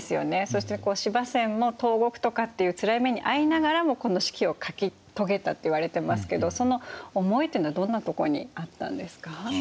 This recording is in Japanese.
そして司馬遷も投獄とかっていうつらい目に遭いながらもこの「史記」を書き遂げたっていわれてますけどその思いというのはどんなところにあったんですか？